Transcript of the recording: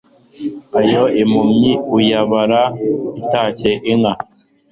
Ayo impumyi uyabara itashye inka.